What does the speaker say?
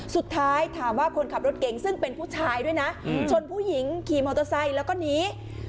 สุดท้ายถามว่าคนขับรถเก๋งซึ่งเป็นผู้ชายด้วยนะชนผู้หญิงขี่มอเตอร์ไซค์แล้วก็หนี